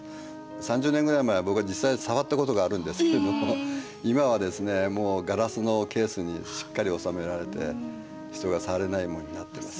３０年ぐらい前僕は実際触ったことがあるんですけども今はですねもうガラスのケースにしっかり収められて人が触れないようになってます。